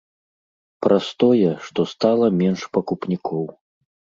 Праз тое, што стала менш пакупнікоў.